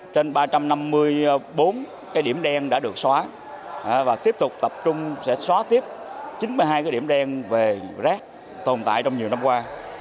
trên ba trăm năm mươi bốn điểm đen đã được xóa và tiếp tục tập trung sẽ xóa tiếp chín mươi hai điểm đen về rác tồn tại trong nhiều năm qua